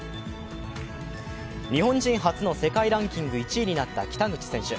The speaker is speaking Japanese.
日本人初の世界ランキング１位となった北口選手。